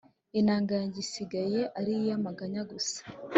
inanga yanjye isigaye ari iy'amaganya gusa